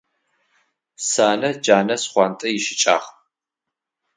Сянэ джэнэ шхъуантӏэ ищыкӏагъ.